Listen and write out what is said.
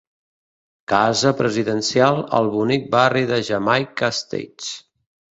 Casa presidencial al bonic barri de Jamaica Estates.